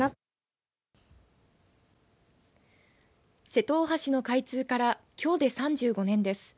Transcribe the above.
瀬戸大橋の開通からきょうで３５年です。